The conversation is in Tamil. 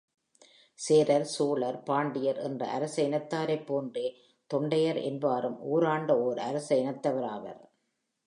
சேரர், சோழர், பாண்டியர் என்ற அரச இனத்தாரைப் போன்றே, தொண்டையர் என்பாரும் ஊராண்ட ஒர் அரச இனத்தவராவர்.